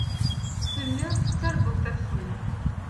Telliḍ tettarguḍ tafsut.